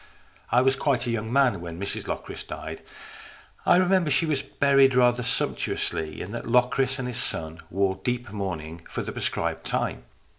I was quite a young man when Mrs Locris died. I remember she was buried rather sumptuously, and that Locris and his son wore deep mourning for the prescribed time.